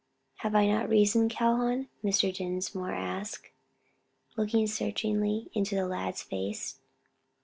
"Have I not reason, Calhoun?" Mr. Dinsmore asked, looking searchingly into the lad's face.